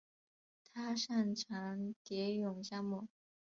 他擅长蝶泳项目。